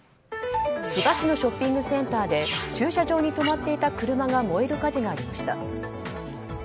千葉市のショッピングセンターで駐車場に止まっていた車が燃える火事がありました。